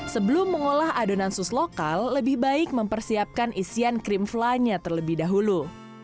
sebelum mengolah adonan sus lokal lebih baik mempersiapkan isian krim fly nya terlebih dahulu